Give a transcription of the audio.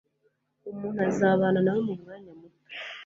Umuntu azabana nawe mumwanya muto.